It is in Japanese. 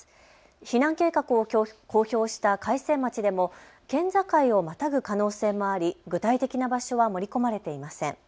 避難計画を公表した開成町でも県境をまたぐ可能性もあり具体的な場所は盛り込まれていません。